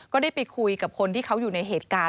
ก็ได้ไปคุยกับคนที่เขาอยู่ในเหตุการณ์